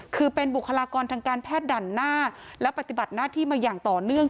คือเป็นบุคลากรทางการแพทย์ด่านหน้าและปฏิบัติหน้าที่มาอย่างต่อเนื่อง